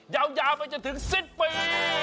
ยาวไปจนถึงสิ้นปี